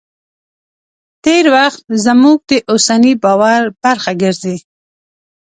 تېر وخت زموږ د اوسني باور برخه ګرځي.